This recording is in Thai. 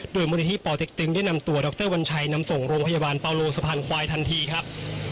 โดยมูลนิธิปอเต็กตึงได้นำตัวดรวัญชัยนำส่งโรงพยาบาลปาโลสะพานควายทันทีครับ